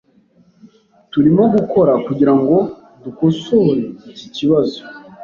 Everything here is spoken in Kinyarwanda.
Turimo gukora kugirango dukosore iki kibazo.